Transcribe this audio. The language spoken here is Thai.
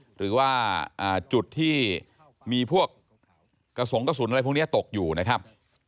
หรือว่าจุดที่มีพวกกระสงกระสุนอะไรพวกนี้ตกอยู่นะครับ